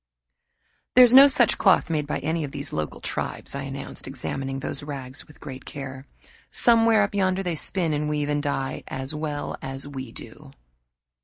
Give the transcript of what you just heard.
"There is no such cloth made by any of these local tribes," I announced, examining those rags with great care. "Somewhere up yonder they spin and weave and dye as well as we do."